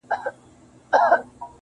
كه تباه غواړئ نړۍ د بندگانو -